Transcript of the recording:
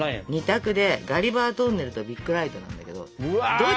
２択で「ガリバートンネル」と「ビッグライト」なんだけど。